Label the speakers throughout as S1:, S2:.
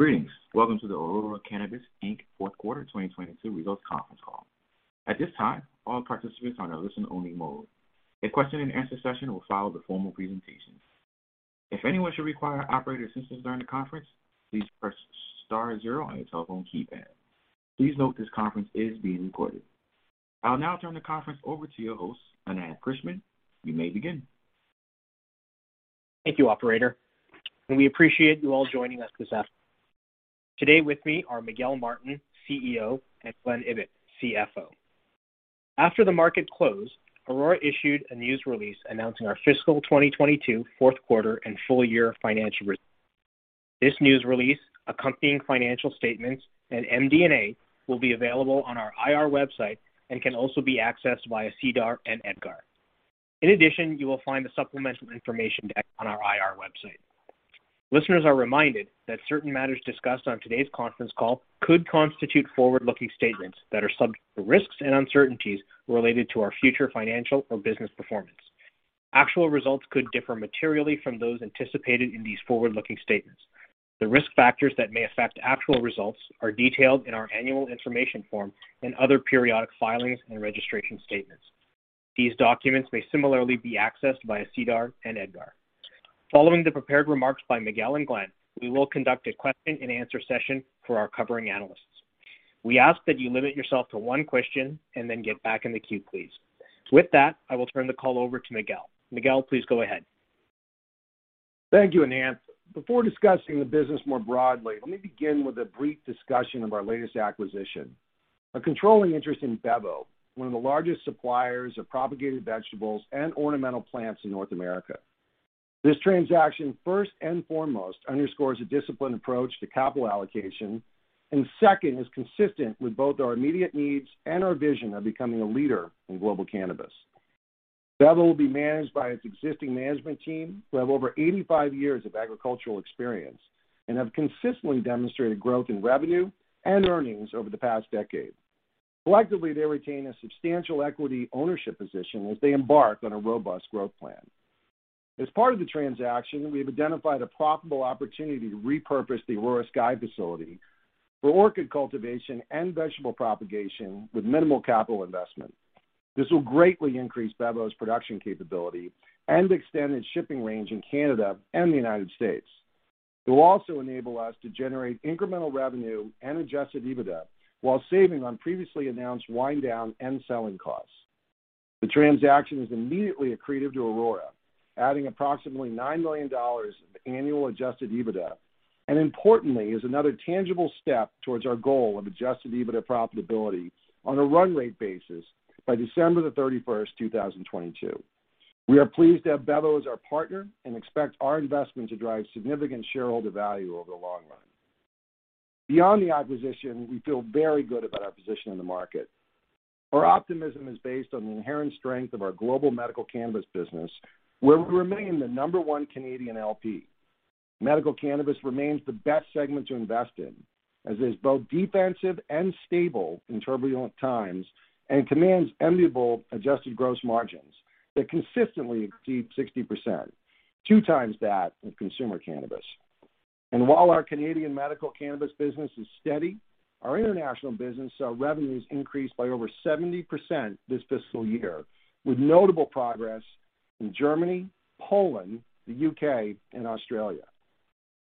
S1: Greetings. Welcome to the Aurora Cannabis, Inc. fourth quarter 2022 results conference call. At this time, all participants are in a listen-only mode. A question and answer session will follow the formal presentation. If anyone should require operator assistance during the conference, please press star zero on your telephone keypad. Please note this conference is being recorded. I'll now turn the conference over to your host, Ananth Krishnan. You may begin.
S2: Thank you, operator, and we appreciate you all joining us. Today with me are Miguel Martin, CEO, and Glen Ibbott, CFO. After the market closed, Aurora issued a news release announcing our fiscal 2022 fourth quarter and full year financial results. This news release, accompanying financial statements, and MD&A will be available on our IR website and can also be accessed via SEDAR and EDGAR. In addition, you will find the supplemental information deck on our IR website. Listeners are reminded that certain matters discussed on today's conference call could constitute forward-looking statements that are subject to risks and uncertainties related to our future financial or business performance. Actual results could differ materially from those anticipated in these forward-looking statements. The risk factors that may affect actual results are detailed in our annual information form and other periodic filings and registration statements. These documents may similarly be accessed via SEDAR and EDGAR. Following the prepared remarks by Miguel and Glen, we will conduct a question and answer session for our covering analysts. We ask that you limit yourself to one question and then get back in the queue, please. With that, I will turn the call over to Miguel. Miguel, please go ahead.
S3: Thank you, Ananth. Before discussing the business more broadly, let me begin with a brief discussion of our latest acquisition, a controlling interest in Bevo, one of the largest suppliers of propagated vegetables and ornamental plants in North America. This transaction, first and foremost, underscores a disciplined approach to capital allocation, and second, is consistent with both our immediate needs and our vision of becoming a leader in global cannabis. Bevo will be managed by its existing management team, who have over 85 years of agricultural experience and have consistently demonstrated growth in revenue and earnings over the past decade. Collectively, they retain a substantial equity ownership position as they embark on a robust growth plan. As part of the transaction, we have identified a profitable opportunity to repurpose the Aurora Sky facility for orchid cultivation and vegetable propagation with minimal capital investment. This will greatly increase Bevo's production capability and extend its shipping range in Canada and the United States. It will also enable us to generate incremental revenue and adjusted EBITDA while saving on previously announced wind down and selling costs. The transaction is immediately accretive to Aurora, adding approximately 9 million dollars of annual adjusted EBITDA, and importantly, is another tangible step towards our goal of adjusted EBITDA profitability on a run rate basis by December 31st, 2022. We are pleased to have Bevo as our partner and expect our investment to drive significant shareholder value over the long run. Beyond the acquisition, we feel very good about our position in the market. Our optimism is based on the inherent strength of our global medical cannabis business, where we remain the number one Canadian LP. Medical cannabis remains the best segment to invest in, as it is both defensive and stable in turbulent times and commands enviable adjusted gross margins that consistently exceed 60%, two times that of consumer cannabis. While our Canadian medical cannabis business is steady, our international business saw revenues increase by over 70% this fiscal year, with notable progress in Germany, Poland, the U.K., and Australia.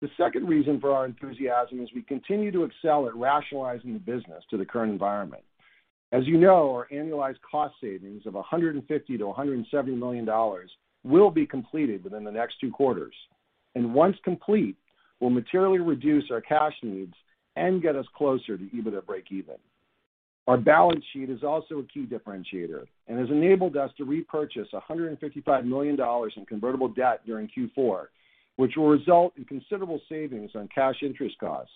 S3: The second reason for our enthusiasm is we continue to excel at rationalizing the business to the current environment. As you know, our annualized cost savings of 150 million-170 million dollars will be completed within the next two quarters. Once complete, will materially reduce our cash needs and get us closer to EBITDA breakeven. Our balance sheet is also a key differentiator and has enabled us to repurchase 155 million dollars in convertible debt during Q4, which will result in considerable savings on cash interest costs.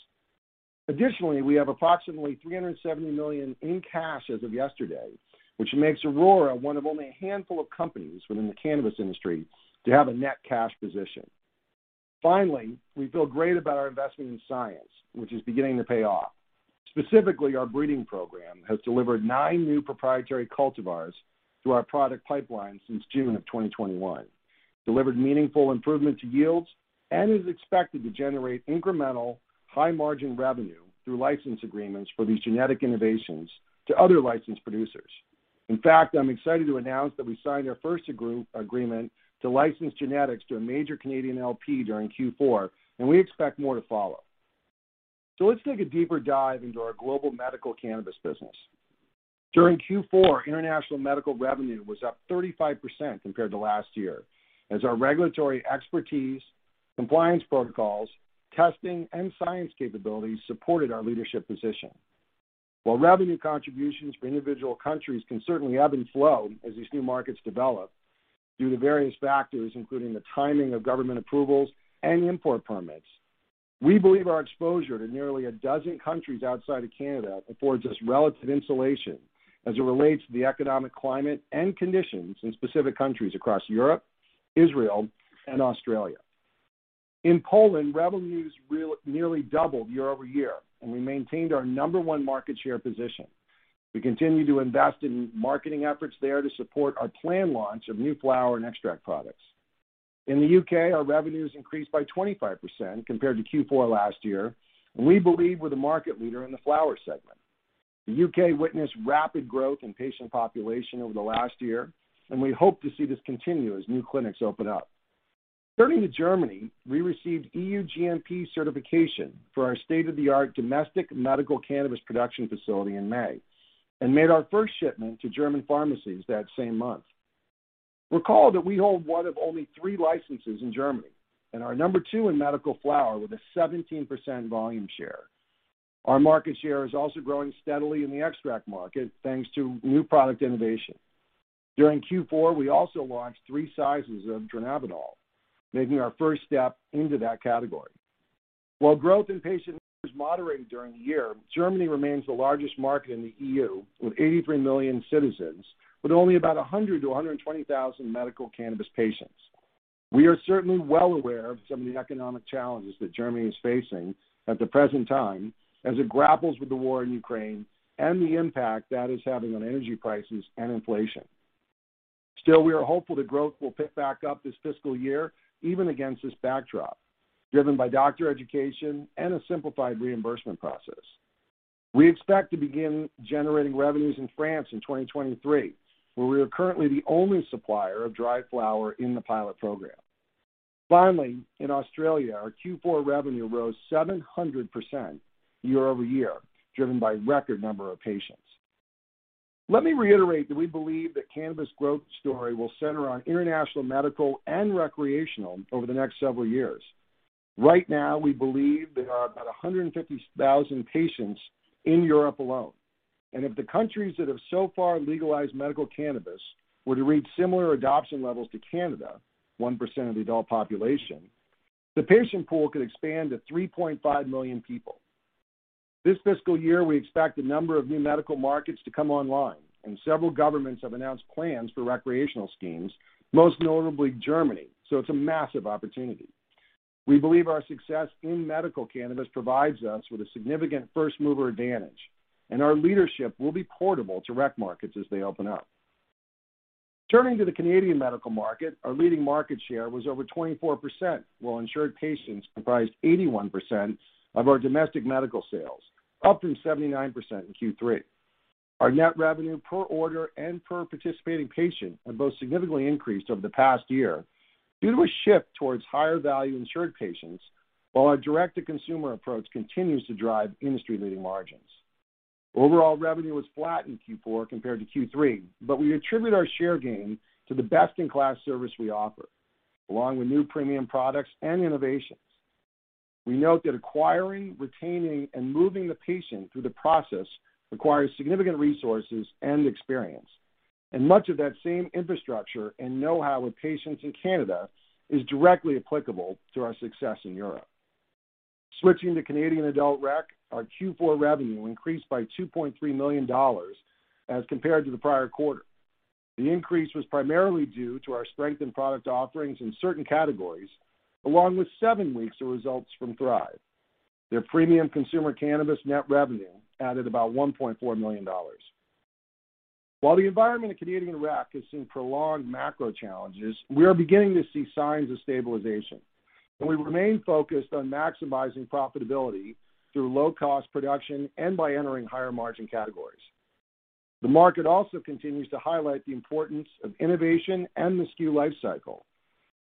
S3: Additionally, we have approximately 370 million in cash as of yesterday, which makes Aurora one of only a handful of companies within the cannabis industry to have a net cash position. Finally, we feel great about our investment in science, which is beginning to pay off. Specifically, our breeding program has delivered nine new proprietary cultivars through our product pipeline since June of 2021, delivered meaningful improvement to yields, and is expected to generate incremental high margin revenue through license agreements for these genetic innovations to other licensed producers. In fact, I'm excited to announce that we signed our first agreement to license genetics to a major Canadian LP during Q4, and we expect more to follow. Let's take a deeper dive into our global medical cannabis business. During Q4, international medical revenue was up 35% compared to last year, as our regulatory expertise, compliance protocols, testing, and science capabilities supported our leadership position. While revenue contributions for individual countries can certainly ebb and flow as these new markets develop due to various factors, including the timing of government approvals and import permits, we believe our exposure to nearly a dozen countries outside of Canada affords us relative insulation as it relates to the economic climate and conditions in specific countries across Europe, Israel, and Australia. In Poland, revenues nearly doubled year over year, and we maintained our number one market share position. We continue to invest in marketing efforts there to support our planned launch of new flower and extract products. In the U.K., our revenues increased by 25% compared to Q4 last year, and we believe we're the market leader in the flower segment. The U.K. witnessed rapid growth in patient population over the last year, and we hope to see this continue as new clinics open up. Turning to Germany, we received EU GMP certification for our state-of-the-art domestic medical cannabis production facility in May and made our first shipment to German pharmacies that same month. Recall that we hold one of only three licenses in Germany and are number two in medical flower with a 17% volume share. Our market share is also growing steadily in the extract market, thanks to new product innovation. During Q4, we also launched three sizes of dronabinol, making our first step into that category. While growth in patient numbers moderated during the year, Germany remains the largest market in the EU, with 83 million citizens, with only about 100-120,000 medical cannabis patients. We are certainly well aware of some of the economic challenges that Germany is facing at the present time as it grapples with the war in Ukraine and the impact that is having on energy prices and inflation. Still, we are hopeful that growth will pick back up this fiscal year, even against this backdrop, driven by doctor education and a simplified reimbursement process. We expect to begin generating revenues in France in 2023, where we are currently the only supplier of dry flower in the pilot program. Finally, in Australia, our Q4 revenue rose 700% year-over-year, driven by record number of patients. Let me reiterate that we believe the cannabis growth story will center on international, medical, and recreational over the next several years. Right now, we believe there are about 150,000 patients in Europe alone. If the countries that have so far legalized medical cannabis were to reach similar adoption levels to Canada, 1% of the adult population, the patient pool could expand to 3.5 million people. This fiscal year, we expect a number of new medical markets to come online, and several governments have announced plans for recreational schemes, most notably Germany. It's a massive opportunity. We believe our success in medical cannabis provides us with a significant first-mover advantage, and our leadership will be portable to rec markets as they open up. Turning to the Canadian medical market, our leading market share was over 24%, while insured patients comprised 81% of our domestic medical sales, up from 79% in Q3. Our net revenue per order and per participating patient have both significantly increased over the past year due to a shift towards higher-value insured patients, while our direct-to-consumer approach continues to drive industry-leading margins. Overall revenue was flat in Q4 compared to Q3, but we attribute our share gain to the best-in-class service we offer, along with new premium products and innovations. We note that acquiring, retaining, and moving the patient through the process requires significant resources and experience, and much of that same infrastructure and know-how with patients in Canada is directly applicable to our success in Europe. Switching to Canadian adult rec, our Q4 revenue increased by 2.3 million dollars as compared to the prior quarter. The increase was primarily due to our strength in product offerings in certain categories, along with seven weeks of results from Thrive. Their premium consumer cannabis net revenue added about 1.4 million dollars. While the environment of Canadian rec has seen prolonged macro challenges, we are beginning to see signs of stabilization, and we remain focused on maximizing profitability through low-cost production and by entering higher-margin categories. The market also continues to highlight the importance of innovation and the SKU lifecycle,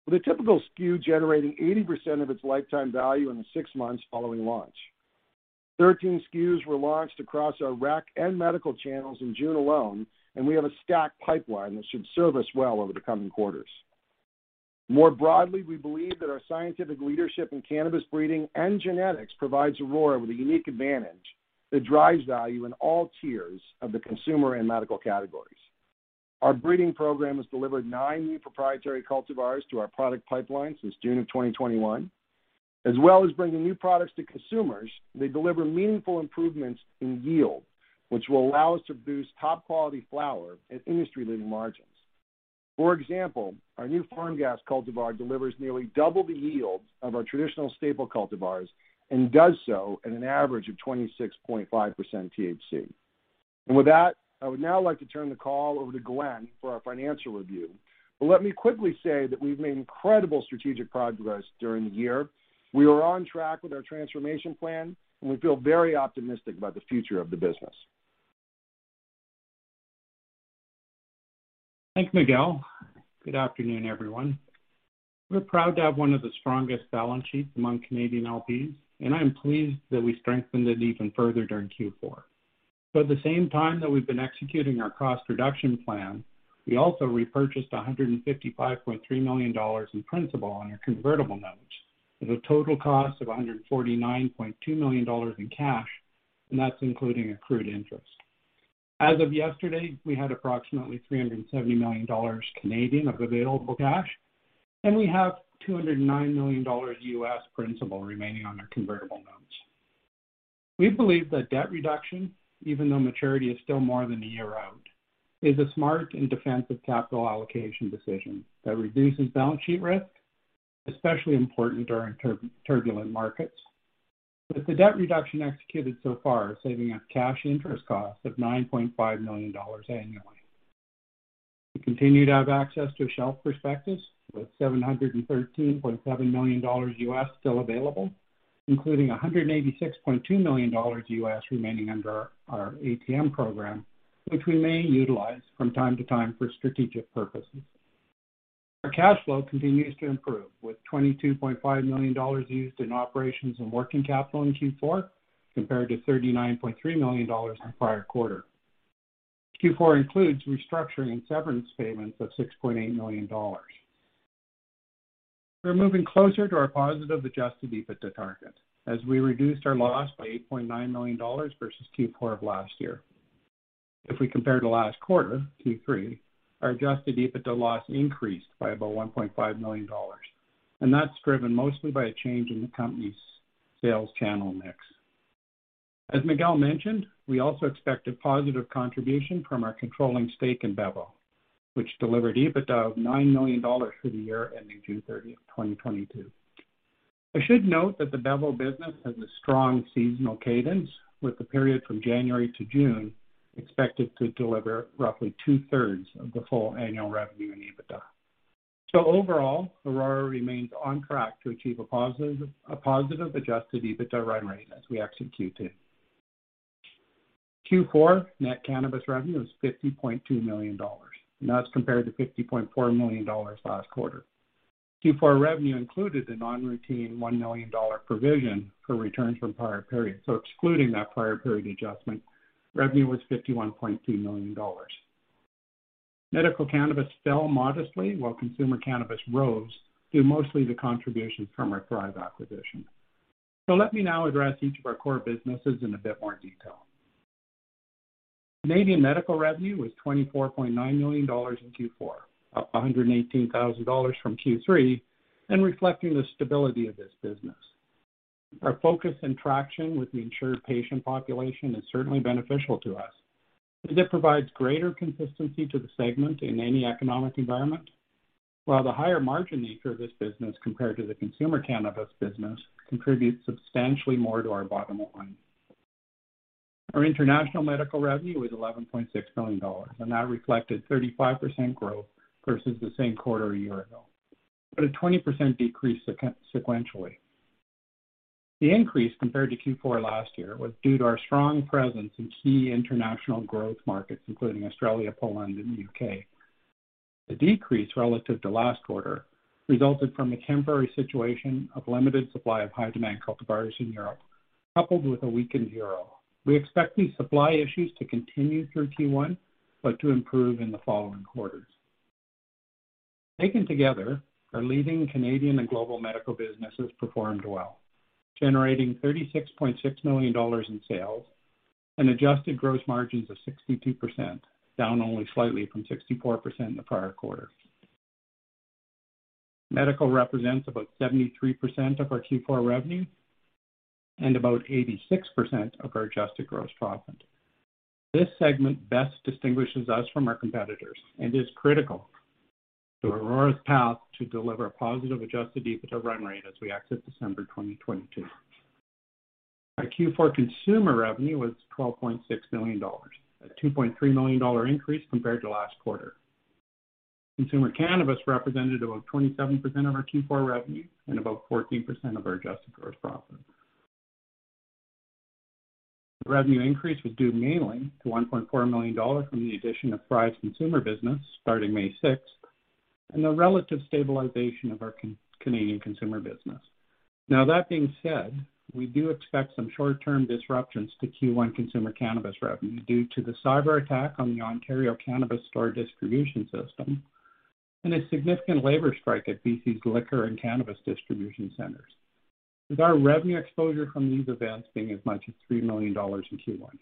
S3: with a typical SKU generating 80% of its lifetime value in the six months following launch. 13 SKUs were launched across our rec and medical channels in June alone, and we have a stacked pipeline that should serve us well over the coming quarters. More broadly, we believe that our scientific leadership in cannabis breeding and genetics provides Aurora with a unique advantage that drives value in all tiers of the consumer and medical categories. Our breeding program has delivered nine new proprietary cultivars to our product pipeline since June of 2021. As well as bringing new products to consumers, they deliver meaningful improvements in yield, which will allow us to produce top-quality flower at industry-leading margins. For example, our new Farm Gas cultivar delivers nearly double the yield of our traditional staple cultivars and does so at an average of 26.5% THC. With that, I would now like to turn the call over to Glen for our financial review. Let me quickly say that we've made incredible strategic progress during the year. We are on track with our transformation plan, and we feel very optimistic about the future of the business.
S4: Thanks, Miguel. Good afternoon, everyone. We're proud to have one of the strongest balance sheets among Canadian LPs, and I am pleased that we strengthened it even further during Q4. At the same time that we've been executing our cost reduction plan, we also repurchased 155.3 million dollars in principal on our convertible notes, with a total cost of 149.2 million dollars in cash, and that's including accrued interest. As of yesterday, we had approximately 370 million Canadian dollars of available cash, and we have $209 million principal remaining on our convertible notes. We believe that debt reduction, even though maturity is still more than a year out, is a smart and defensive capital allocation decision that reduces balance sheet risk. Especially important during turbulent markets. With the debt reduction executed so far, saving up cash interest costs of 9.5 million dollars annually. We continue to have access to a shelf prospectus with $713.7 million still available, including $186.2 million remaining under our ATM program, which we may utilize from time to time for strategic purposes. Our cash flow continues to improve, with 22.5 million dollars used in operations and working capital in Q4, compared to 39.3 million dollars in the prior quarter. Q4 includes restructuring and severance payments of 6.8 million dollars. We're moving closer to our positive adjusted EBITDA target as we reduced our loss by 8.9 million dollars versus Q4 of last year. If we compare to last quarter, Q3, our adjusted EBITDA loss increased by about 1.5 million dollars, and that's driven mostly by a change in the company's sales channel mix. As Miguel mentioned, we also expect a positive contribution from our controlling stake in Bevo, which delivered EBITDA of 9 million dollars for the year ending June 30th, 2022. I should note that the Bevo business has a strong seasonal cadence, with the period from January-June expected to deliver roughly 2/3 of the full annual revenue in EBITDA. Overall, Aurora remains on track to achieve a positive adjusted EBITDA run rate as we execute it. Q4 net cannabis revenue is 50.2 million dollars, and that's compared to 50.4 million dollars last quarter. Q4 revenue included a non-routine 1 million dollar provision for returns from prior periods, so excluding that prior period adjustment, revenue was 51.2 million dollars. Medical cannabis fell modestly while consumer cannabis rose through mostly the contributions from our Thrive acquisition. Let me now address each of our core businesses in a bit more detail. Canadian medical revenue was 24.9 million dollars in Q4, up 118,000 dollars from Q3, and reflecting the stability of this business. Our focus and traction with the insured patient population is certainly beneficial to us, as it provides greater consistency to the segment in any economic environment. While the higher margin nature of this business compared to the consumer cannabis business contributes substantially more to our bottom line. Our international medical revenue is 11.6 million dollars, and that reflected 35% growth versus the same quarter a year ago, but a 20% decrease sequentially. The increase compared to Q4 last year was due to our strong presence in key international growth markets, including Australia, Poland, and the U.K. The decrease relative to last quarter resulted from a temporary situation of limited supply of high demand cultivars in Europe, coupled with a weakened euro. We expect these supply issues to continue through Q1, but to improve in the following quarters. Taken together, our leading Canadian and global medical businesses performed well, generating 36.6 million dollars in sales and adjusted gross margins of 62%, down only slightly from 64% in the prior quarter. Medical represents about 73% of our Q4 revenue and about 86% of our adjusted gross profit. This segment best distinguishes us from our competitors and is critical to Aurora's path to deliver a positive adjusted EBITDA run rate as we exit December 2022. Our Q4 consumer revenue was 12.6 million dollars, a 2.3 million dollar increase compared to last quarter. Consumer cannabis represented about 27% of our Q4 revenue and about 14% of our adjusted gross profit. The revenue increase was due mainly to 1.4 million dollars from the addition of Thrive's consumer business starting May 6th, and the relative stabilization of our Canadian consumer business. Now that being said, we do expect some short-term disruptions to Q1 consumer cannabis revenue due to the cyberattack on the Ontario Cannabis Store distribution system and a significant labor strike at BC's liquor and cannabis distribution centers, with our revenue exposure from these events being as much as 3 million dollars in Q1.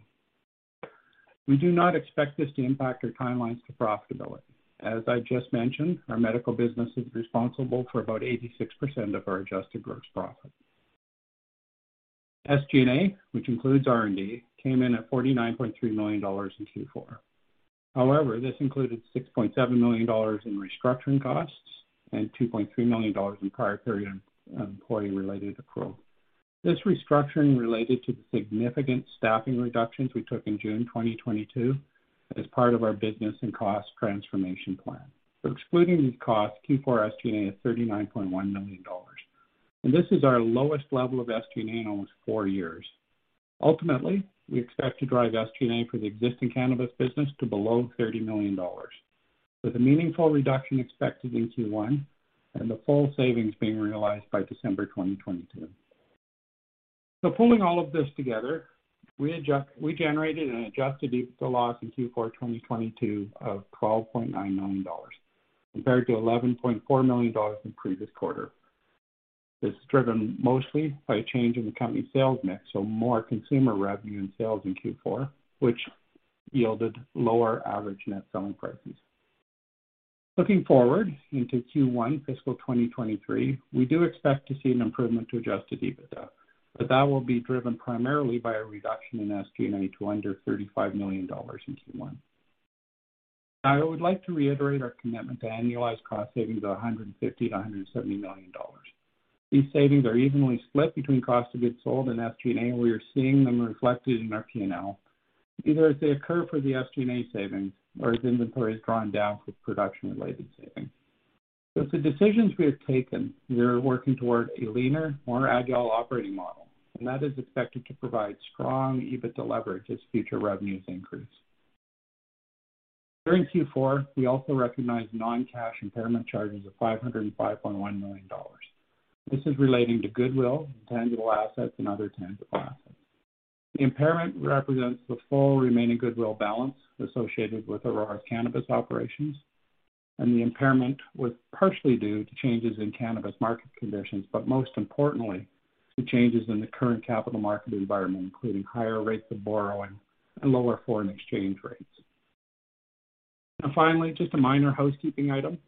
S4: We do not expect this to impact our timelines to profitability. As I just mentioned, our medical business is responsible for about 86% of our adjusted gross profit. SG&A, which includes R&D, came in at 49.3 million dollars in Q4. However, this included 6.7 million dollars in restructuring costs and 2.3 million dollars in prior period employee-related accrual. This restructuring related to the significant staffing reductions we took in June 2022 as part of our business and cost transformation plan. Excluding these costs, Q4 SG&A is 39.1 million dollars, and this is our lowest level of SG&A in almost four years. Ultimately, we expect to drive SG&A for the existing cannabis business to below 30 million dollars, with a meaningful reduction expected in Q1 and the full savings being realized by December 2022. Pulling all of this together, we generated an adjusted EBITDA loss in Q4 2022 of 12.9 million dollars compared to 11.4 million dollars in the previous quarter. This is driven mostly by a change in the company's sales mix, so more consumer revenue and sales in Q4, which yielded lower average net selling prices. Looking forward into Q1 fiscal 2023, we do expect to see an improvement to adjusted EBITDA, but that will be driven primarily by a reduction in SG&A to under 35 million dollars in Q1. I would like to reiterate our commitment to annualized cost savings of 150 million-170 million dollars. These savings are evenly split between cost of goods sold and SG&A, and we are seeing them reflected in our P&L, either as they occur for the SG&A savings or as inventory is drawn down for the production-related savings. With the decisions we have taken, we are working toward a leaner, more agile operating model, and that is expected to provide strong EBITDA leverage as future revenues increase. During Q4, we also recognized non-cash impairment charges of 505.1 million dollars. This is relating to goodwill and tangible assets and other intangible assets. The impairment represents the full remaining goodwill balance associated with Aurora's cannabis operations, and the impairment was partially due to changes in cannabis market conditions, but most importantly, to changes in the current capital market environment, including higher rates of borrowing and lower foreign exchange rates. Finally, just a minor housekeeping item.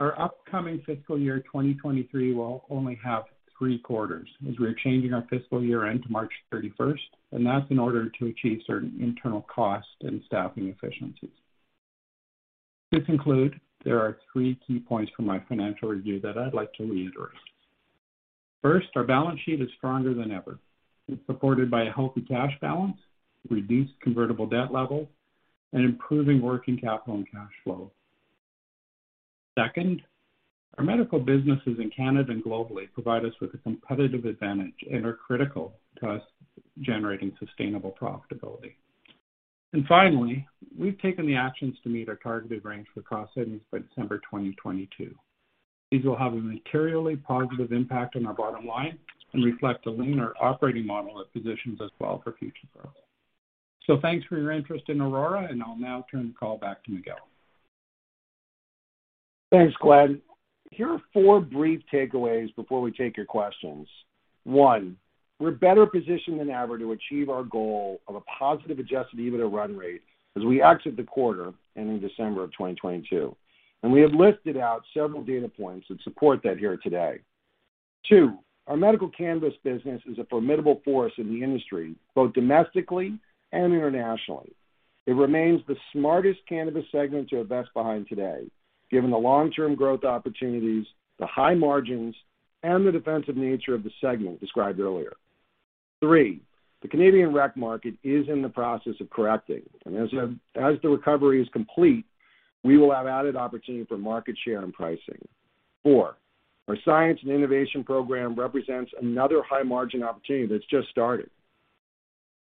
S4: Our upcoming fiscal year, 2023, will only have three quarters as we are changing our fiscal year-end to March 31st, and that's in order to achieve certain internal costs and staffing efficiencies. Just to conclude, there are three key points from my financial review that I'd like to reiterate. First, our balance sheet is stronger than ever. It's supported by a healthy cash balance, reduced convertible debt level, and improving working capital and cash flow. Second, our medical businesses in Canada and globally provide us with a competitive advantage and are critical to us generating sustainable profitability. Finally, we've taken the actions to meet our targeted range for cost savings by December 2022. These will have a materially positive impact on our bottom line and reflect a leaner operating model that positions us well for future growth. Thanks for your interest in Aurora, and I'll now turn the call back to Miguel.
S3: Thanks, Glenn. Here are four brief takeaways before we take your questions. One, we're better positioned than ever to achieve our goal of a positive adjusted EBITDA run rate as we exit the quarter ending December 2022, and we have listed out several data points that support that here today. Two, our medical cannabis business is a formidable force in the industry, both domestically and internationally. It remains the smartest cannabis segment to invest behind today, given the long-term growth opportunities, the high margins, and the defensive nature of the segment described earlier. Three, the Canadian rec market is in the process of correcting, and as the recovery is complete, we will have added opportunity for market share and pricing. Four, our science and innovation program represents another high-margin opportunity that's just started.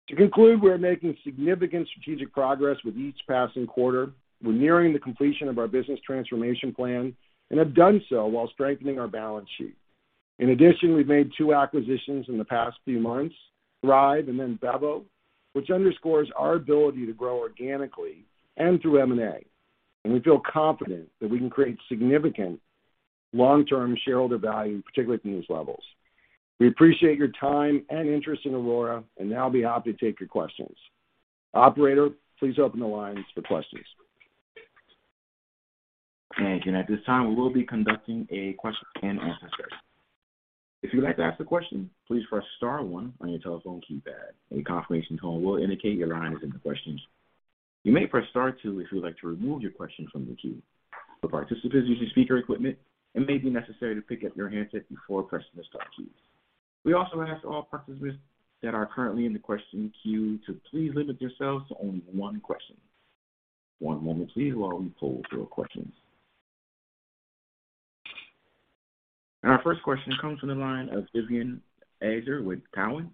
S3: To conclude, we are making significant strategic progress with each passing quarter. We're nearing the completion of our business transformation plan and have done so while strengthening our balance sheet. In addition, we've made two acquisitions in the past few months, Thrive and then Bevo, which underscores our ability to grow organically and through M&A. We feel confident that we can create significant long-term shareholder value, particularly from these levels. We appreciate your time and interest in Aurora, and now I'll be happy to take your questions. Operator, please open the lines for questions.
S1: Thank you. At this time, we will be conducting a question and answer session. If you would like to ask a question, please press star one on your telephone keypad. A confirmation tone will indicate your line is in the queue. You may press star two if you would like to remove your question from the queue. For participants using speaker equipment, it may be necessary to pick up your handset before pressing the star keys. We also ask all participants that are currently in the question queue to please limit yourselves to only one question. One moment please while we poll for questions. Our first question comes from the line of Vivien Azer with Cowen.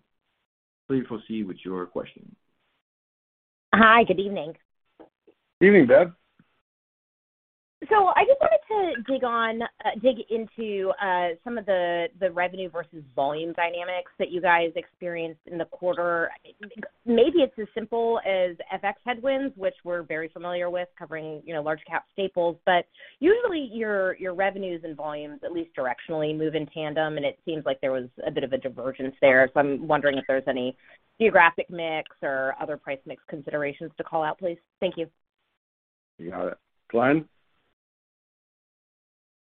S1: Please proceed with your question.
S5: Hi, good evening.
S3: Evening, Viv.
S5: I just wanted to dig into some of the revenue versus volume dynamics that you guys experienced in the quarter. Maybe it's as simple as FX headwinds, which we're very familiar with covering, you know, large cap staples. Usually your revenues and volumes at least directionally move in tandem, and it seems like there was a bit of a divergence there. I'm wondering if there's any geographic mix or other price mix considerations to call out, please. Thank you.
S3: You got it. Glenn.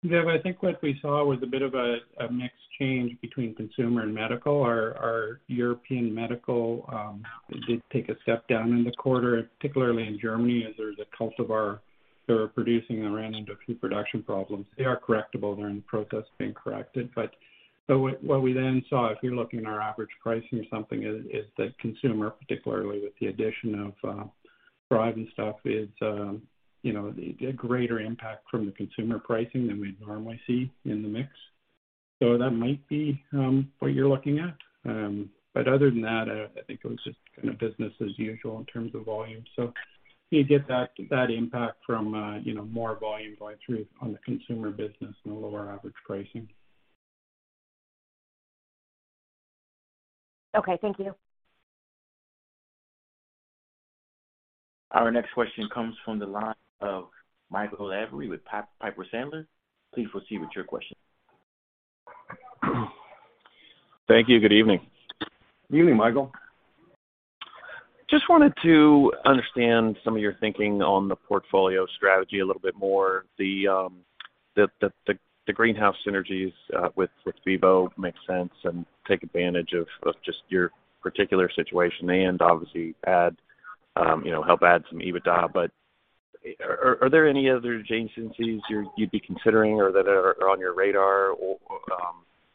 S4: Viv, I think what we saw was a bit of a mix change between consumer and medical. Our European medical did take a step down in the quarter, particularly in Germany, as there's a cultivar they're producing that ran into a few production problems. They are correctable. They're in the process of being corrected. What we then saw, if you're looking at our average pricing or something, is that consumer, particularly with the addition of Thrive and stuff, you know, a greater impact from the consumer pricing than we'd normally see in the mix. That might be what you're looking at. Other than that, I think it was just kind of business as usual in terms of volume. You get that impact from, you know, more volume going through on the consumer business and the lower average pricing.
S5: Okay. Thank you.
S1: Our next question comes from the line of Michael Lavery with Piper Sandler. Please proceed with your question.
S6: Thank you. Good evening.
S3: Evening, Michael.
S6: Just wanted to understand some of your thinking on the portfolio strategy a little bit more. The greenhouse synergies with Bevo make sense and take advantage of just your particular situation and obviously add, you know, help add some EBITDA. Are there any other adjacencies you'd be considering or that are on your radar or,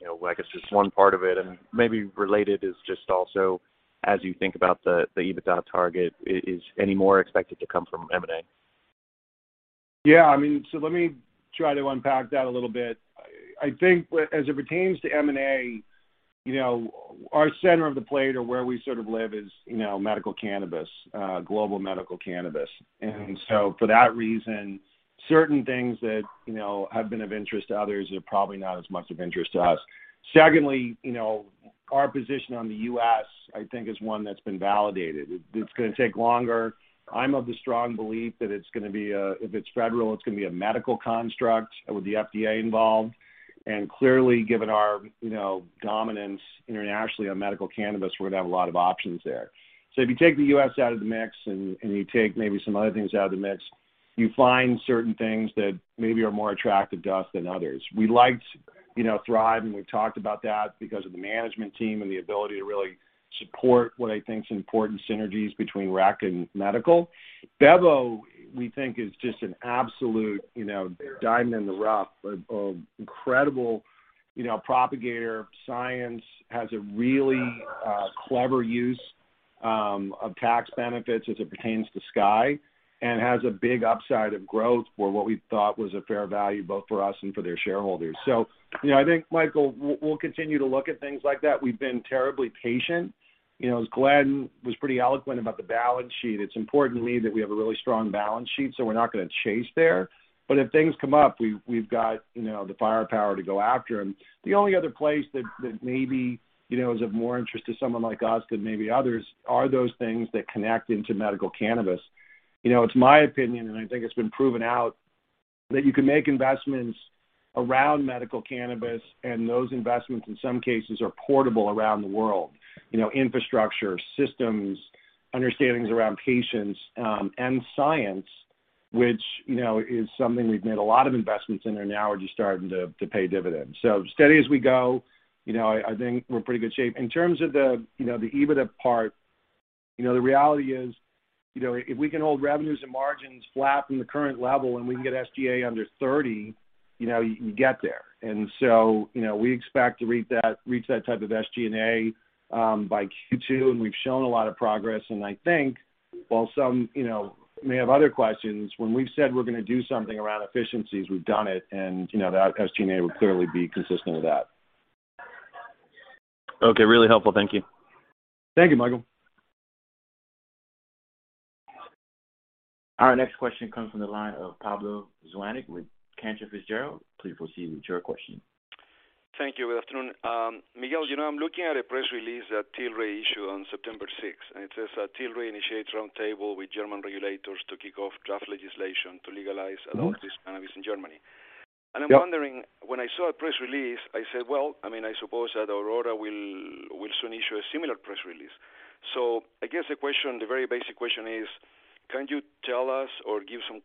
S6: you know, I guess just one part of it and maybe related is just also as you think about the EBITDA target, is any more expected to come from M&A?
S3: Yeah, I mean, let me try to unpack that a little bit. I think as it pertains to M&A, you know, our center of the plate or where we sort of live is, you know, medical cannabis, global medical cannabis. For that reason, certain things that, you know, have been of interest to others are probably not as much of interest to us. Secondly, you know, our position on the U.S., I think, is one that's been validated. It's gonna take longer. I'm of the strong belief that it's gonna be a, if it's federal, it's gonna be a medical construct with the FDA involved. Clearly, given our, you know, dominance internationally on medical cannabis, we're gonna have a lot of options there. If you take the U.S. out of the mix and you take maybe some other things out of the mix, you find certain things that maybe are more attractive to us than others. We liked, you know, Thrive, and we've talked about that because of the management team and the ability to really support what I think is important synergies between rec and medical. Bevo, we think, is just an absolute, you know, diamond in the rough. An incredible, you know, propagator of science, has a really, clever use, of tax benefits as it pertains to Sky and has a big upside of growth for what we thought was a fair value both for us and for their shareholders. You know, I think, Michael, we'll continue to look at things like that. We've been terribly patient. You know, as Glenn was pretty eloquent about the balance sheet, it's important to me that we have a really strong balance sheet, so we're not gonna chase there. But if things come up, we've got, you know, the firepower to go after them. The only other place that maybe, you know, is of more interest to someone like us than maybe others are those things that connect into medical cannabis. You know, it's my opinion, and I think it's been proven out, that you can make investments around medical cannabis, and those investments, in some cases, are portable around the world. You know, infrastructure, systems, understandings around patients, and science, which, you know, is something we've made a lot of investments in, and now are just starting to pay dividends. Steady as we go, you know, I think we're in pretty good shape. In terms of the, you know, the EBITDA part, you know, the reality is, you know, if we can hold revenues and margins flat from the current level and we can get SG&A under 30%, you know, you get there. We expect to reach that type of SG&A by Q2, and we've shown a lot of progress. I think while some, you know, may have other questions, when we've said we're gonna do something around efficiencies, we've done it. You know, that SG&A will clearly be consistent with that.
S6: Okay, really helpful. Thank you.
S3: Thank you, Michael.
S1: Our next question comes from the line of Pablo Zuanic with Cantor Fitzgerald. Please proceed with your question.
S7: Thank you. Good afternoon. Miguel, you know, I'm looking at a press release that Tilray issued on September sixth, and it says that Tilray initiates roundtable with German regulators to kick off draft legislation to legalize adult use cannabis in Germany.
S3: Yeah.
S7: I'm wondering, when I saw a press release, I said, well, I mean, I suppose that Aurora will soon issue a similar press release. So I guess the question, the very basic question is, can you tell us or give some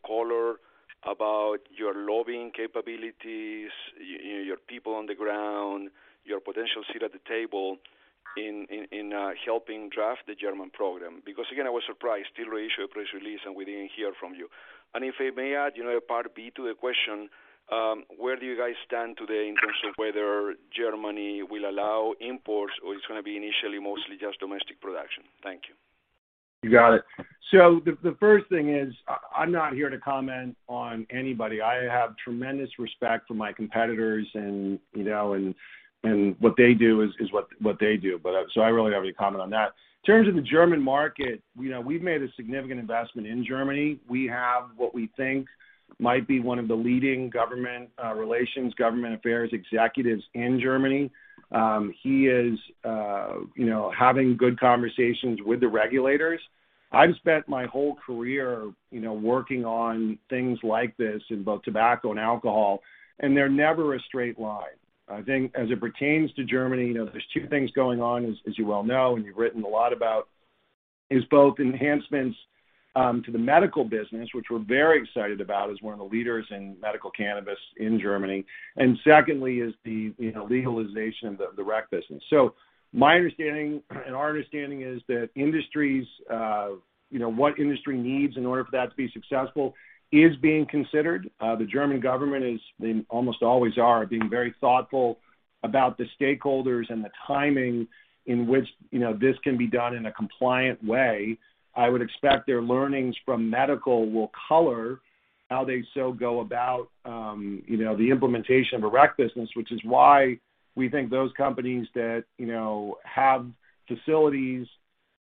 S7: color about your lobbying capabilities, your people on the ground, your potential seat at the table in helping draft the German program? Because, again, I was surprised Tilray issued a press release, and we didn't hear from you. If I may add, you know, part B to the question, where do you guys stand today in terms of whether Germany will allow imports or it's gonna be initially mostly just domestic production? Thank you.
S3: You got it. The first thing is I'm not here to comment on anybody. I have tremendous respect for my competitors and what they do is what they do, but so I really don't have any comment on that. In terms of the German market, we've made a significant investment in Germany. We have what we think might be one of the leading government relations, government affairs executives in Germany. He is having good conversations with the regulators. I've spent my whole career working on things like this in both tobacco and alcohol, and they're never a straight line. I think as it pertains to Germany, you know, there's two things going on, as you well know and you've written a lot about, is both enhancements to the medical business, which we're very excited about as one of the leaders in medical cannabis in Germany, and secondly is the, you know, legalization of the rec business. My understanding and our understanding is that, you know, what industry needs in order for that to be successful is being considered. The German government is, they almost always are, being very thoughtful about the stakeholders and the timing in which, you know, this can be done in a compliant way. I would expect their learnings from medical will color how they go about, you know, the implementation of a rec business, which is why we think those companies that, you know, have facilities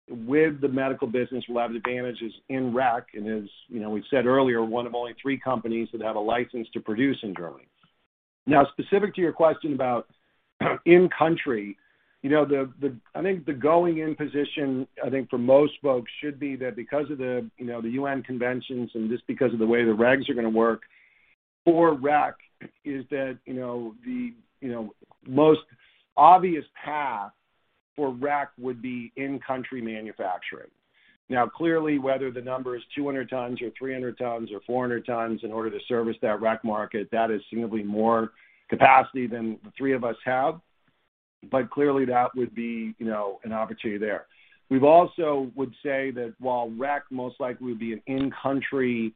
S3: with the medical business will have advantages in rec and, as you know, we've said earlier, one of only three companies that have a license to produce in Germany. Now, specific to your question about in-country, you know, I think the going-in position for most folks should be that because of the, you know, the UN conventions and just because of the way the regs are gonna work for rec is that, you know, the most obvious path for rec would be in-country manufacturing. Now clearly, whether the number is 200 tons or 300 tons or 400 tons in order to service that rec market, that is seemingly more capacity than the three of us have. Clearly, that would be, you know, an opportunity there. We've also would say that while rec most likely would be an in-country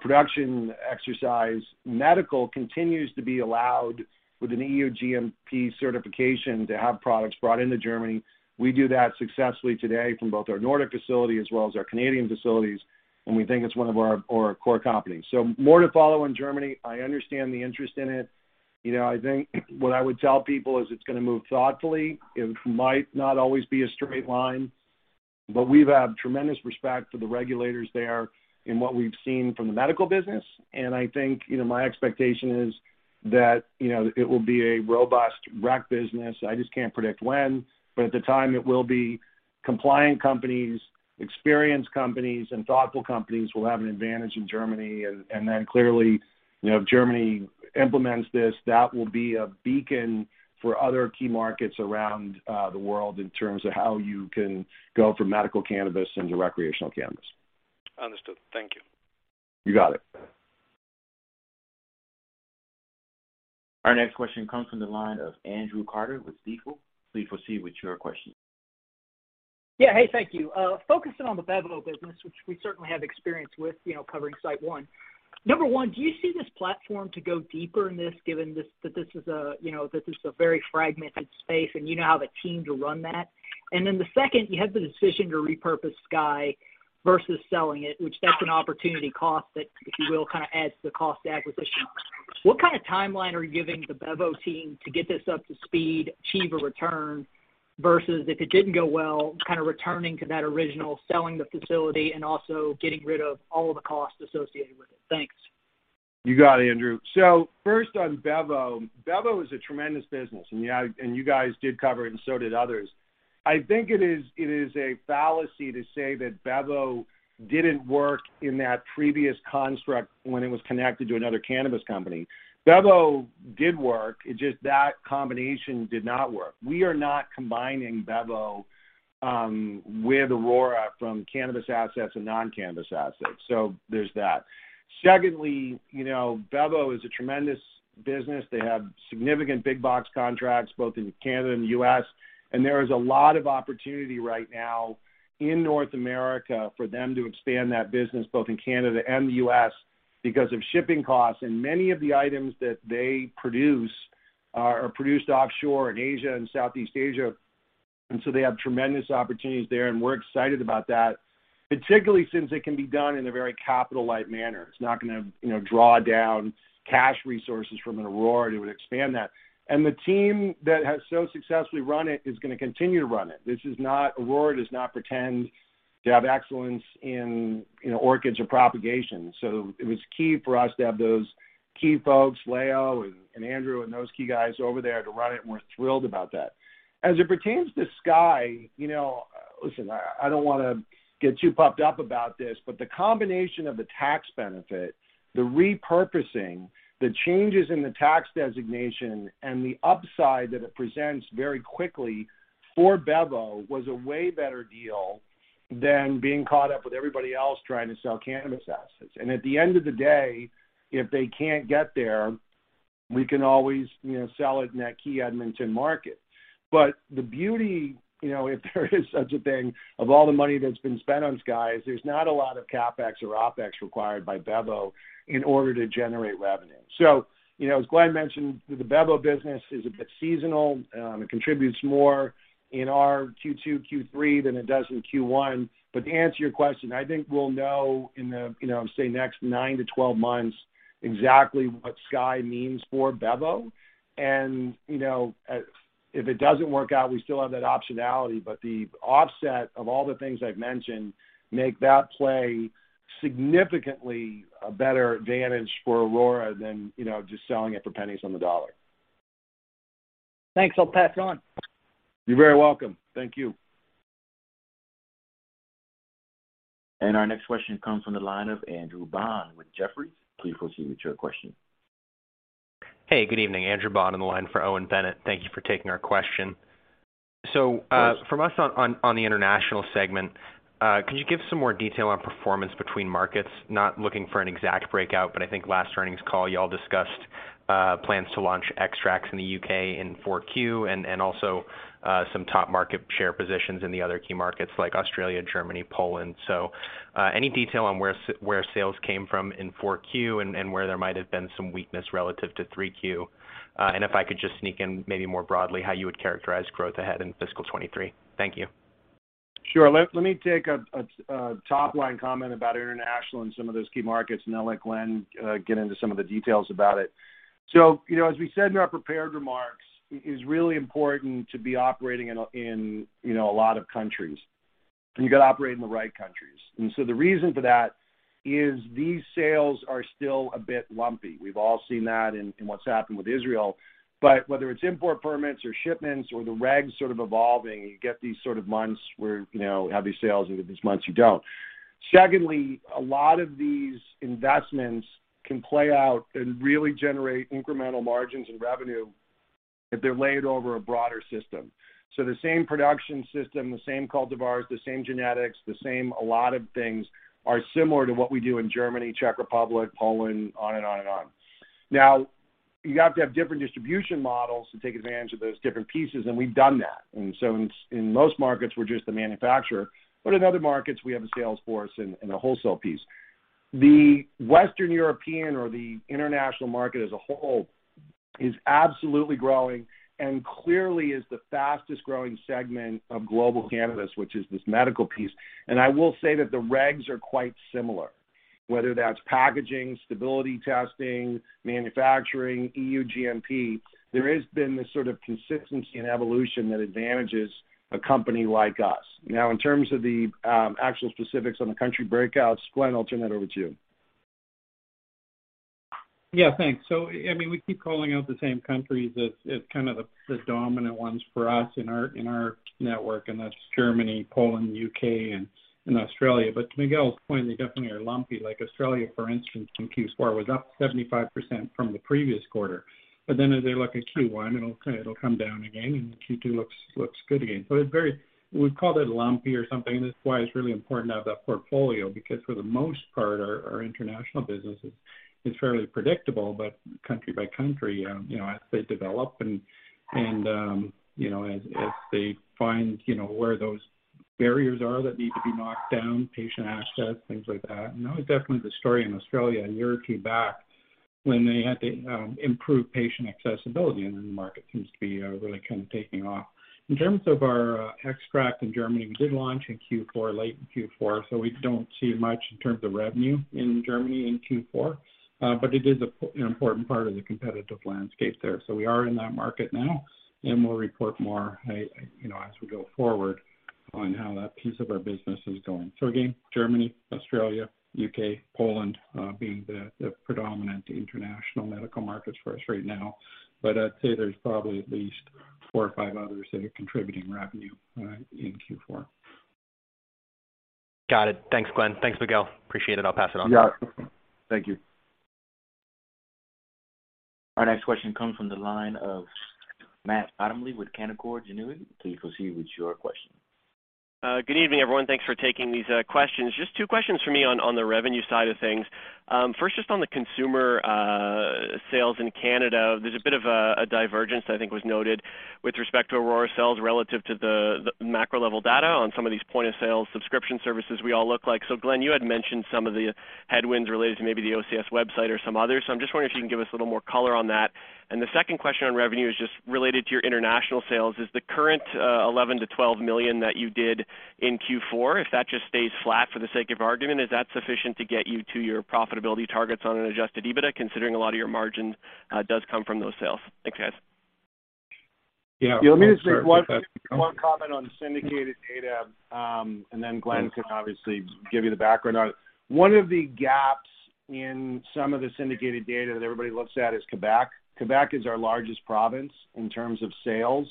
S3: production exercise, medical continues to be allowed with an EU GMP certification to have products brought into Germany. We do that successfully today from both our Nordic facility as well as our Canadian facilities, and we think it's one of our core competencies. More to follow in Germany. I understand the interest in it. You know, I think what I would tell people is it's gonna move thoughtfully. It might not always be a straight line, but we've had tremendous respect for the regulators there in what we've seen from the medical business. I think, you know, my expectation is that, you know, it will be a robust rec business. I just can't predict when, but at the time, it will be compliant companies, experienced companies and thoughtful companies will have an advantage in Germany. Then clearly, you know, if Germany implements this, that will be a beacon for other key markets around, the world in terms of how you can go from medical cannabis into recreational cannabis.
S7: Understood. Thank you.
S3: You got it.
S1: Our next question comes from the line of Andrew Carter with Stifel. Please proceed with your question.
S8: Yeah. Hey, thank you. Focusing on the Bevo business, which we certainly have experience with, you know, covering Site One. Number one, do you see this platform to go deeper in this, given that this is a very fragmented space and you now have a team to run that? And then the second, you have the decision to repurpose Sky versus selling it, which that's an opportunity cost that, if you will, kind of adds to the cost of acquisition. What kind of timeline are you giving the Bevo team to get this up to speed, achieve a return, versus if it didn't go well, kind of returning to that original, selling the facility and also getting rid of all of the costs associated with it? Thanks.
S3: You got it, Andrew. First on Bevo. Bevo is a tremendous business, and yeah, and you guys did cover it and so did others. I think it is a fallacy to say that Bevo didn't work in that previous construct when it was connected to another cannabis company. Bevo did work. It's just that combination did not work. We are not combining Bevo with Aurora's cannabis assets and non-cannabis assets. There's that. Secondly, you know, Bevo is a tremendous business. They have significant big box contracts both in Canada and the U.S., and there is a lot of opportunity right now in North America for them to expand that business both in Canada and the U.S. because of shipping costs. Many of the items that they produce are produced offshore in Asia and Southeast Asia. They have tremendous opportunities there, and we're excited about that, particularly since it can be done in a very capital light manner. It's not gonna, you know, draw down cash resources from Aurora to expand that. The team that has so successfully run it is gonna continue to run it. This is not. Aurora does not pretend to have excellence in orchids or propagation. It was key for us to have those key folks, Leo and Andrew and those key guys over there to run it, and we're thrilled about that. As it pertains to Sky, you know, listen, I don't wanna get too puffed up about this, but the combination of the tax benefit, the repurposing, the changes in the tax designation and the upside that it presents very quickly for Bevo was a way better deal than being caught up with everybody else trying to sell cannabis assets. At the end of the day, if they can't get there, we can always, you know, sell it in that key Edmonton market. The beauty, you know, if there is such a thing, of all the money that's been spent on Sky is there's not a lot of CapEx or OpEx required by Bevo in order to generate revenue. You know, as Glenn mentioned, the Bevo business is a bit seasonal. It contributes more in our Q2, Q3 than it does in Q1. To answer your question, I think we'll know in the, you know, say, next nine-12 months exactly what Sky means for Bevo. You know, if it doesn't work out, we still have that optionality. The offset of all the things I've mentioned make that play significantly a better advantage for Aurora than, you know, just selling it for pennies on the dollar.
S8: Thanks. I'll pass it on.
S3: You're very welcome. Thank you.
S1: Our next question comes from the line of Andrew Bond with Jefferies. Please proceed with your question.
S9: Hey, good evening. Andrew Bond on the line for Owen Bennett. Thank you for taking our question.
S3: Of course.
S9: From us on the international segment, could you give some more detail on performance between markets? Not looking for an exact breakout, but I think last earnings call, y'all discussed plans to launch extracts in the U.K. in 4Q and also some top market share positions in the other key markets like Australia, Germany, Poland. Any detail on where sales came from in 4Q and where there might have been some weakness relative to 3Q? If I could just sneak in maybe more broadly how you would characterize growth ahead in fiscal 2023. Thank you.
S3: Sure. Let me take a top line comment about international and some of those key markets, and I'll let Glenn get into some of the details about it. You know, as we said in our prepared remarks, it is really important to be operating in you know a lot of countries, and you got to operate in the right countries. The reason for that is these sales are still a bit lumpy. We've all seen that in what's happened with Israel. Whether it's import permits or shipments or the regs sort of evolving, you get these sort of months where you know have these sales and these months you don't. Secondly, a lot of these investments can play out and really generate incremental margins and revenue if they're laid over a broader system. The same production system, the same cultivars, the same genetics, the same a lot of things are similar to what we do in Germany, Czech Republic, Poland, on and on and on. Now, you have to have different distribution models to take advantage of those different pieces, and we've done that. In most markets, we're just the manufacturer. In other markets, we have a sales force and a wholesale piece. The Western European or the international market as a whole is absolutely growing and clearly is the fastest-growing segment of global cannabis, which is this medical piece. I will say that the regs are quite similar. Whether that's packaging, stability testing, manufacturing, EU GMP, there has been this sort of consistency and evolution that advantages a company like us. Now, in terms of the actual specifics on the country breakouts, Glen, I'll turn that over to you.
S4: Yeah, thanks. I mean, we keep calling out the same countries as kind of the dominant ones for us in our network, and that's Germany, Poland, U.K., and Australia. To Miguel's point, they definitely are lumpy. Like Australia, for instance, in Q4, was up 75% from the previous quarter. Then as I look at Q1, it'll come down again, and Q2 looks good again. It's very lumpy or something. We've called it lumpy or something. That's why it's really important to have that portfolio because for the most part, our international business is fairly predictable, but country by country, you know, as they develop and, you know, as they find, you know, where those barriers are that need to be knocked down, patient access, things like that. That was definitely the story in Australia a year or two back when they had to improve patient accessibility, and then the market seems to be really kind of taking off. In terms of our extract in Germany, we did launch in Q4, late in Q4, so we don't see much in terms of revenue in Germany in Q4. It is an important part of the competitive landscape there. We are in that market now, and we'll report more, you know, as we go forward on how that piece of our business is going. Again, Germany, Australia, U.K., Poland, being the predominant international medical markets for us right now. I'd say there's probably at least four or five others that are contributing revenue in Q4.
S9: Got it. Thanks, Glen. Thanks, Miguel. Appreciate it. I'll pass it on.
S3: Yeah. Thank you.
S1: Our next question comes from the line of Matt Bottomley with Canaccord Genuity. Please proceed with your question.
S10: Good evening, everyone. Thanks for taking these questions. Just two questions from me on the revenue side of things. First, just on the consumer sales in Canada. There's a bit of a divergence I think was noted with respect to Aurora's sales relative to the macro level data on some of these point-of-sale subscription services we all look at. Glen, you had mentioned some of the headwinds related to maybe the OCS website or some others. I'm just wondering if you can give us a little more color on that. The second question on revenue is just related to your international sales. Is the current 11 million-12 million that you did in Q4, if that just stays flat for the sake of argument, is that sufficient to get you to your profitability targets on an adjusted EBITDA, considering a lot of your margin does come from those sales? Thanks, guys.
S3: Yeah. Let me make one comment on the syndicated data, and then Glen can obviously give you the background on it. One of the gaps in some of the syndicated data that everybody looks at is Quebec. Quebec is our largest province in terms of sales,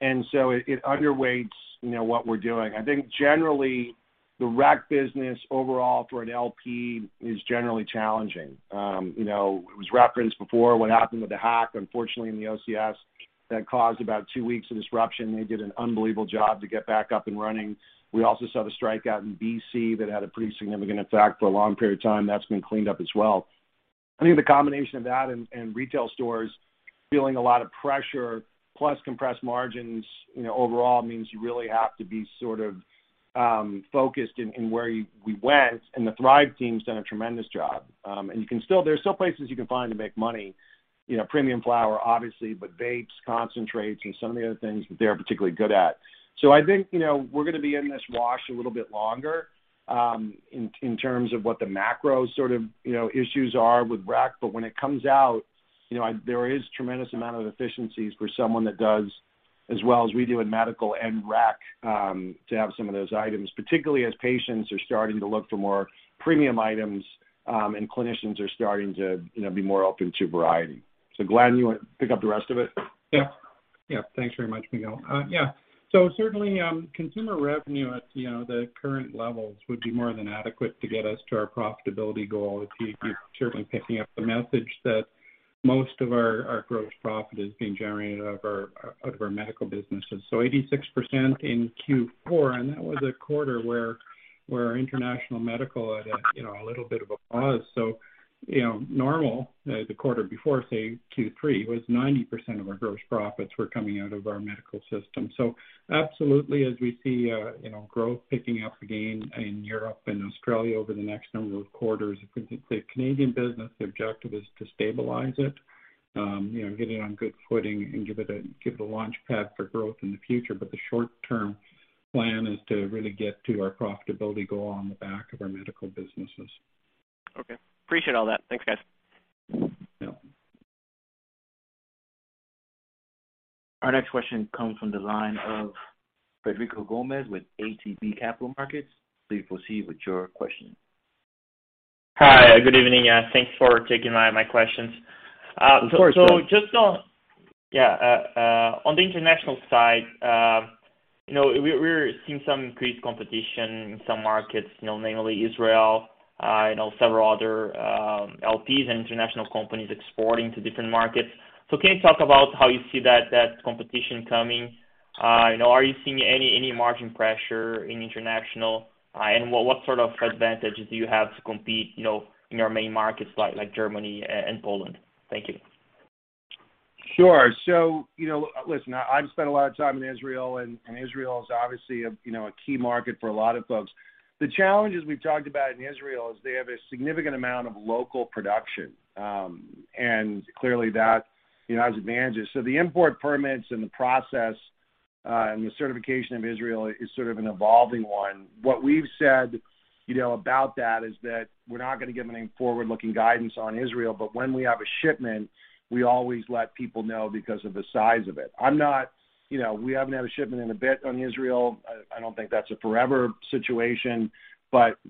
S3: and so it underweights, you know, what we're doing. I think generally, the rec business overall for an LP is generally challenging. You know, it was referenced before what happened with the hack, unfortunately, in the OCS that caused about two weeks of disruption. They did an unbelievable job to get back up and running. We also saw the strike in BC that had a pretty significant effect for a long period of time. That's been cleaned up as well. I think the combination of that and retail stores feeling a lot of pressure plus compressed margins, you know, overall means you really have to be sort of focused in where we went, and the Thrive team's done a tremendous job. There are still places you can find to make money, you know, premium flower, obviously, but vapes, concentrates, and some of the other things, they're particularly good at. I think, you know, we're gonna be in this wash a little bit longer in terms of what the macro sort of issues are with rec. When it comes out, you know, there is tremendous amount of efficiencies for someone that does as well as we do in medical and rec, to have some of those items, particularly as patients are starting to look for more premium items, and clinicians are starting to, you know, be more open to variety. Glen, you want to pick up the rest of it?
S4: Yeah. Thanks very much, Miguel. Certainly, consumer revenue at, you know, the current levels would be more than adequate to get us to our profitability goal. You're certainly picking up the message that most of our gross profit is being generated out of our medical businesses. 86% in Q4, and that was a quarter where our international medical had a, you know, a little bit of a pause. You know, normally, the quarter before, say Q3, was 90% of our gross profits were coming out of our medical system. Absolutely, as we see, you know, growth picking up again in Europe and Australia over the next number of quarters. If we take the Canadian business, the objective is to stabilize it, you know, get it on good footing and give it a launchpad for growth in the future. But the short-term plan is to really get to our profitability goal on the back of our medical businesses.
S10: Okay. Appreciate all that. Thanks, guys.
S4: Yeah.
S1: Our next question comes from the line of Frederico Gomes with ATB Capital Markets. Please proceed with your question.
S11: Hi, good evening. Thanks for taking my questions.
S3: Of course, sure.
S11: Just on the international side, you know, we're seeing some increased competition in some markets, you know, namely Israel, you know, several other LPs and international companies exporting to different markets. Can you talk about how you see that competition coming? You know, are you seeing any margin pressure in international? And what sort of advantages do you have to compete, you know, in your main markets like Germany and Poland? Thank you.
S3: Sure. You know, listen, I've spent a lot of time in Israel, and Israel is obviously a key market for a lot of folks. The challenges we've talked about in Israel is they have a significant amount of local production, and clearly that has advantages. The import permits and the process, and the certification of Israel is sort of an evolving one. What we've said about that is that we're not going to give any forward-looking guidance on Israel, but when we have a shipment, we always let people know because of the size of it. I'm not, you know, we haven't had a shipment in a bit on Israel. I don't think that's a forever situation.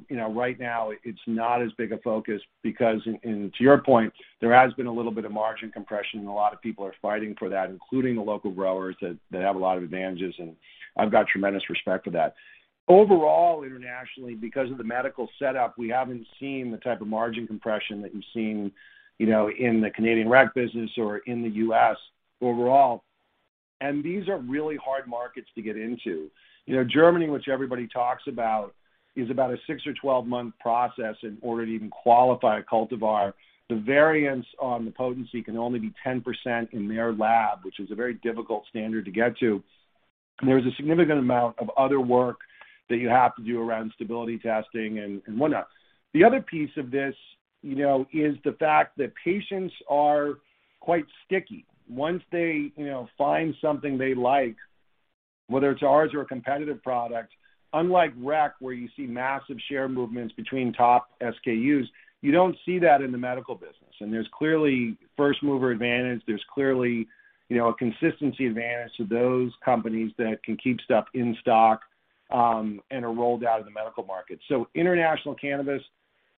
S3: You know, right now it's not as big a focus because in, and to your point, there has been a little bit of margin compression, and a lot of people are fighting for that, including the local growers that have a lot of advantages, and I've got tremendous respect for that. Overall, internationally, because of the medical setup, we haven't seen the type of margin compression that you've seen, you know, in the Canadian rec business or in the U.S. overall. These are really hard markets to get into. You know, Germany, which everybody talks about, is about a six or 12-month process in order to even qualify a cultivar. The variance on the potency can only be 10% in their lab, which is a very difficult standard to get to. There's a significant amount of other work that you have to do around stability testing and whatnot. The other piece of this, you know, is the fact that patients are quite sticky. Once they, you know, find something they like, whether it's ours or a competitive product, unlike rec, where you see massive share movements between top SKUs, you don't see that in the medical business. There's clearly first mover advantage. There's clearly, you know, a consistency advantage to those companies that can keep stuff in stock and are rolled out of the medical market. International cannabis,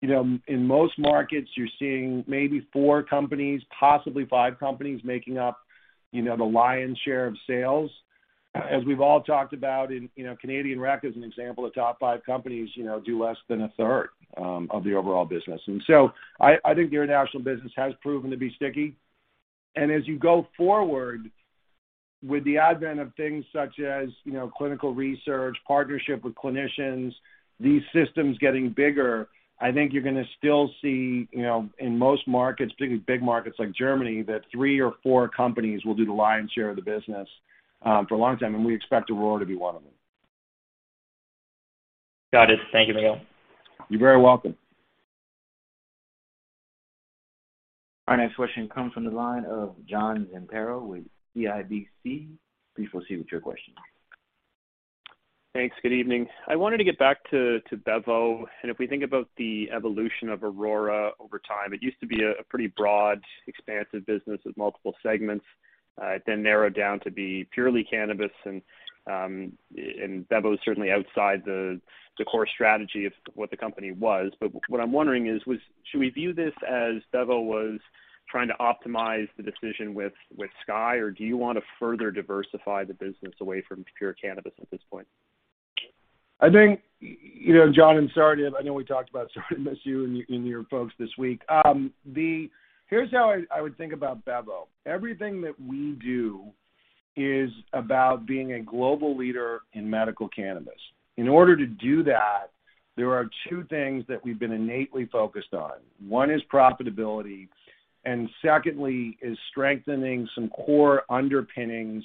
S3: you know, in most markets, you're seeing maybe four companies, possibly five companies, making up, you know, the lion's share of sales. As we've all talked about in, you know, Canadian rec as an example, the top five companies, you know, do less than 1/3 of the overall business. I think the international business has proven to be sticky. As you go forward with the advent of things such as, you know, clinical research, partnership with clinicians, these systems getting bigger, I think you're going to still see, you know, in most markets, particularly big markets like Germany, that three or four companies will do the lion's share of the business, for a long time, and we expect Aurora to be one of them.
S11: Got it. Thank you, Miguel.
S3: You're very welcome.
S1: Our next question comes from the line of John Zamparo with CIBC. Please proceed with your question.
S12: Thanks. Good evening. I wanted to get back to Bevo. If we think about the evolution of Aurora over time, it used to be a pretty broad, expansive business with multiple segments. It then narrowed down to be purely cannabis, and Bevo is certainly outside the core strategy of what the company was. What I'm wondering is, should we view this as Bevo was trying to optimize the decision with Sky? Or do you want to further diversify the business away from pure cannabis at this point?
S3: I think, you know, John, I'm sorry, I know we talked about starting this, you and your folks this week. Here's how I would think about Bevo. Everything that we do is about being a global leader in medical cannabis. In order to do that, there are two things that we've been intently focused on. One is profitability, and secondly is strengthening some core underpinnings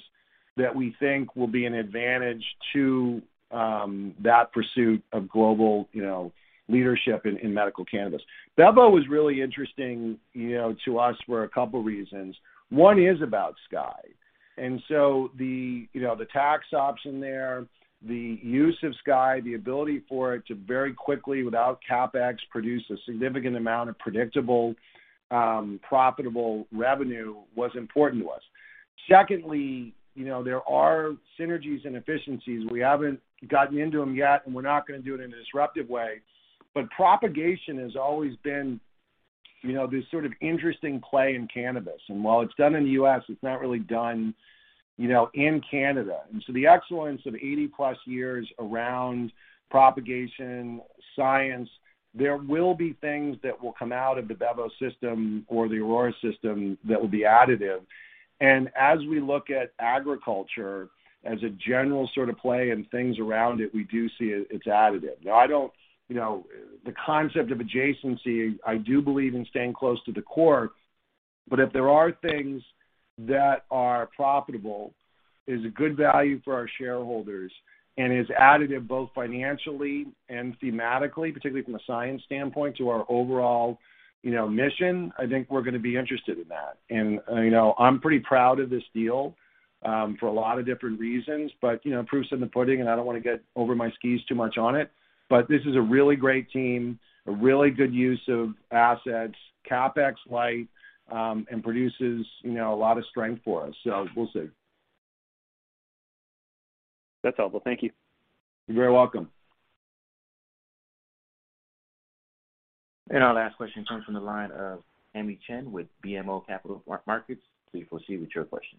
S3: that we think will be an advantage to that pursuit of global leadership in medical cannabis. Bevo was really interesting, you know, to us for a couple reasons. One is about Sky. The tax option there, the use of Sky, the ability for it to very quickly, without CapEx, produce a significant amount of predictable profitable revenue was important to us. Secondly, you know, there are synergies and efficiencies. We haven't gotten into them yet, and we're not going to do it in a disruptive way. Propagation has always been, you know, this sort of interesting play in cannabis. While it's done in the U.S., it's not really done, you know, in Canada. The excellence of 80-plus years around propagation science, there will be things that will come out of the Bevo system or the Aurora system that will be additive. As we look at agriculture as a general sort of play and things around it, we do see it's additive. Now, I don't, you know, the concept of adjacency. I do believe in staying close to the core, but if there are things that are profitable, is a good value for our shareholders, and is additive both financially and thematically, particularly from a science standpoint, to our overall, you know, mission, I think we're going to be interested in that. You know, I'm pretty proud of this deal for a lot of different reasons, but, you know, proof's in the pudding, and I don't want to get over my skis too much on it. This is a really great team, a really good use of assets, CapEx light, and produces, you know, a lot of strength for us. We'll see.
S12: That's helpful. Thank you.
S3: You're very welcome.
S1: Our last question comes from the line of Tamy Chen with BMO Capital Markets. Please proceed with your question.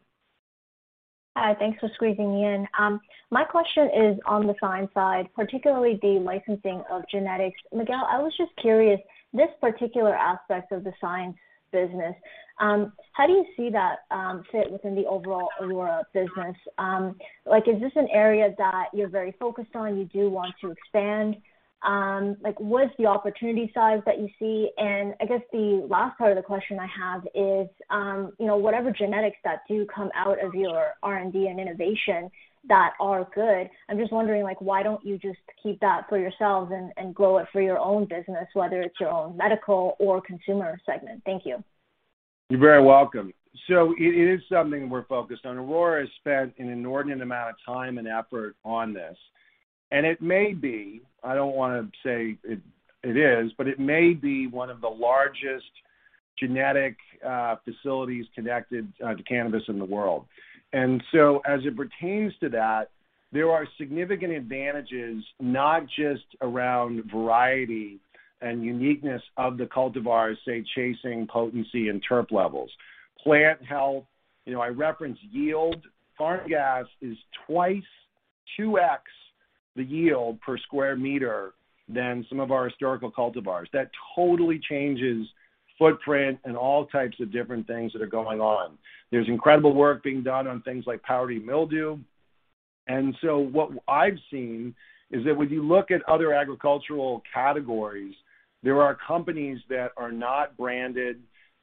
S13: Hi, thanks for squeezing me in. My question is on the science side, particularly the licensing of genetics. Miguel, I was just curious, this particular aspect of the science business, how do you see that fit within the overall Aurora business? Like, is this an area that you're very focused on, you do want to expand? Like, what is the opportunity size that you see? And I guess the last part of the question I have is, you know, whatever genetics that do come out of your R&D and innovation that are good, I'm just wondering, like, why don't you just keep that for yourselves and grow it for your own business, whether it's your own medical or consumer segment? Thank you.
S3: You're very welcome. It is something we're focused on. Aurora has spent an inordinate amount of time and effort on this. It may be, I don't wanna say it, but it may be one of the largest genetic facilities connected to cannabis in the world. As it pertains to that, there are significant advantages, not just around variety and uniqueness of the cultivars, say, chasing potency and terp levels. Plant health, you know. I reference yield. Farm Gas is 2x the yield per square meter than some of our historical cultivars. That totally changes footprint and all types of different things that are going on. There's incredible work being done on things like powdery mildew. What I've seen is that when you look at other agricultural categories, there are companies that are not branded,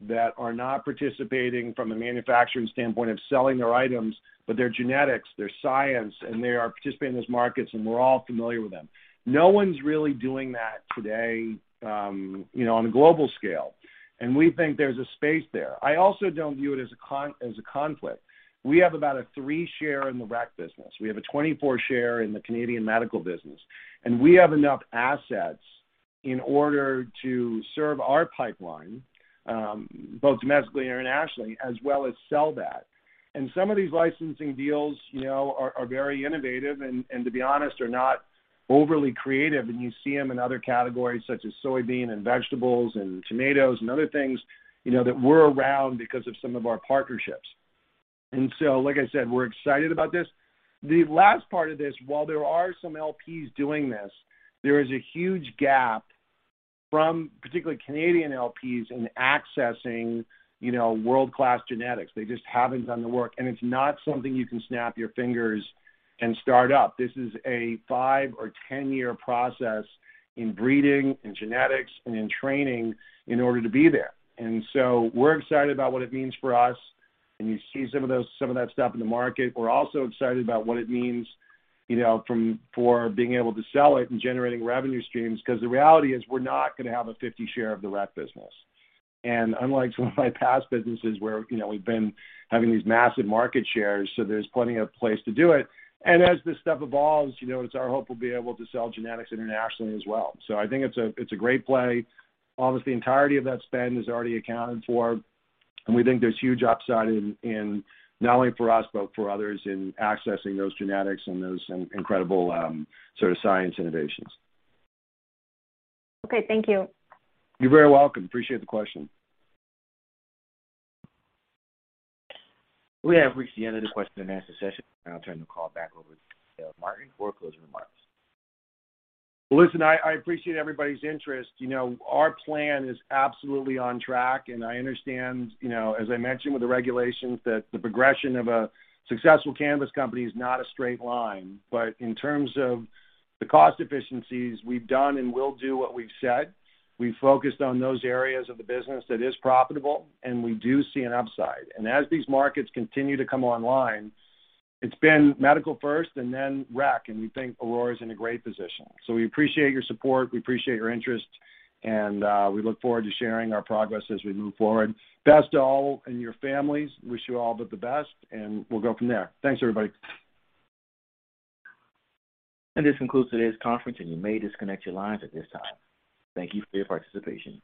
S3: that are not participating from a manufacturing standpoint of selling their items, but they're genetics, they're science, and they are participating in those markets, and we're all familiar with them. No one's really doing that today, you know, on a global scale. We think there's a space there. I also don't view it as a conflict. We have about a 3% share in the rec business. We have a 24% share in the Canadian medical business. We have enough assets in order to serve our pipeline, both domestically and internationally, as well as sell that. Some of these licensing deals, you know, are very innovative and, to be honest, are not overly creative. You see them in other categories such as soybean and vegetables and tomatoes and other things, you know, that we're around because of some of our partnerships. Like I said, we're excited about this. The last part of this, while there are some LPs doing this, there is a huge gap from particularly Canadian LPs in accessing, you know, world-class genetics. They just haven't done the work, and it's not something you can snap your fingers and start up. This is a five or 10-year process in breeding, in genetics, and in training in order to be there. We're excited about what it means for us, and you see some of those, some of that stuff in the market. We're also excited about what it means, you know, for being able to sell it and generating revenue streams, because the reality is we're not gonna have a 50% share of the rec business. Unlike some of my past businesses where, you know, we've been having these massive market shares, so there's plenty of place to do it. As this stuff evolves, you know, it's our hope we'll be able to sell genetics internationally as well. I think it's a great play. Almost the entirety of that spend is already accounted for, and we think there's huge upside in not only for us, but for others in accessing those genetics and those incredible sort of science innovations.
S13: Okay, thank you.
S3: You're very welcome. Appreciate the question.
S1: We have reached the end of the question and answer session. I'll turn the call back over to Miguel Martin for closing remarks.
S3: Well, listen, I appreciate everybody's interest. You know, our plan is absolutely on track, and I understand, you know, as I mentioned with the regulations, that the progression of a successful cannabis company is not a straight line. In terms of the cost efficiencies, we've done and will do what we've said. We focused on those areas of the business that is profitable, and we do see an upside. As these markets continue to come online, it's been medical first and then rec, and we think Aurora is in a great position. We appreciate your support, we appreciate your interest, and we look forward to sharing our progress as we move forward. Best to all and your families. Wish you all but the best, and we'll go from there. Thanks, everybody.
S1: This concludes today's conference, and you may disconnect your lines at this time. Thank you for your participation.